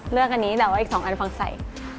เลือกอันนี้แต่อีกสองนะฟังใส